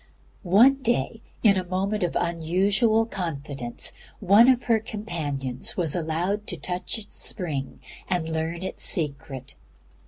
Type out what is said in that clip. One day, in a moment of unusual confidence, one of her companions was allowed to touch its spring and learn its secret.